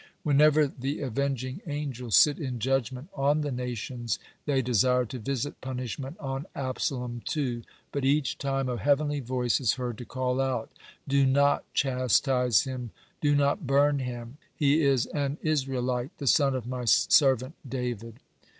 Whenever the avenging angels sit in judgment on the nations, they desire to visit punishment on Absalom, too, but each time a heavenly voice is heard to call out: "Do not chastise him, do not burn him. He is an Israelite, the son of My servant David."